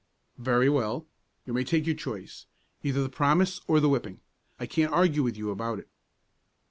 "Very well; you may take your choice, either the promise or the whipping. I can't argue with you about it."